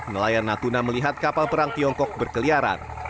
nelayan natuna melihat kapal perang tiongkok berkeliaran